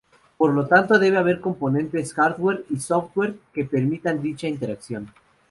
Por lo tanto, debe haber componentes hardware y software que permitan dicha interacción.